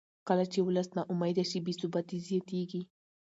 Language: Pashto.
کله چې ولس نا امیده شي بې ثباتي زیاتېږي